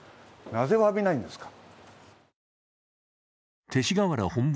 なぜ、わびないんですか？